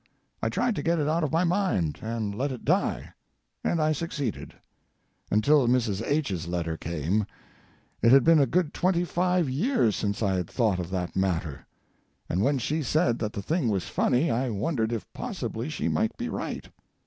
I tried to get it out of my mind, and let it die, and I succeeded. Until Mrs. H.'s letter came, it had been a good twenty five years since I had thought of that matter; and when she said that the thing was funny I wondered if possibly she might be right.